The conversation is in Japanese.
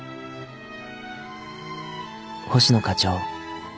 星野課長。